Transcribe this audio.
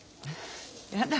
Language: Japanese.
やだ